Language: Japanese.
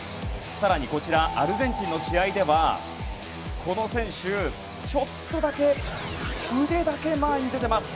更にこちらアルゼンチンの試合ではこの選手、ちょっとだけ腕だけ前に出ています。